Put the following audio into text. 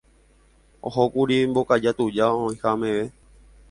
Ohókuri Mbokaja tuja oĩha meve.